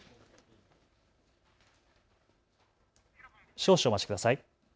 少々、お待ちください。